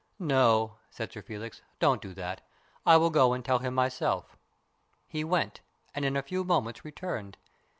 " No," said Sir Felix. " Don't do that. I will go and tell him myself." He went, and in a few moments returned.